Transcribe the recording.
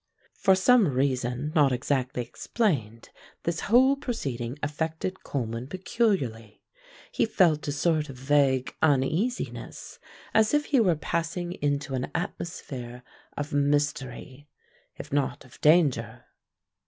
For some reason not exactly explained this whole proceeding affected Coleman peculiarly; he felt a sort of vague uneasiness, as if he were passing into an atmosphere of mystery, if not of danger.